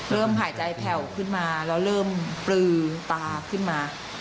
หายใจแผ่วขึ้นมาแล้วเริ่มปลือตาขึ้นมา